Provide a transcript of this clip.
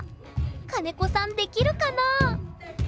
金子さんできるかなあ？